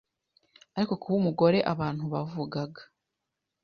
ari ko kuba umugore abantu bavugaga,